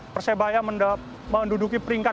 persebaya menduduki peringkat